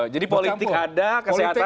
jadi politik ada kesehatan ada